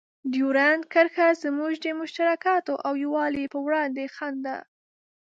ډیورنډ کرښه زموږ د مشترکاتو او یووالي په وړاندې خنډ ده.